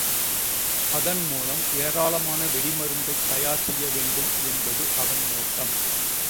அதன்மூலம் ஏராளமான வெடி மருந்தைத் தயார் செய்யவேண்டும் என்பது அவன் நோக்கம்.